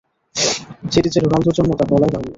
সেটি যে রোনালদোর জন্য, তা বলাই বাহুল্য।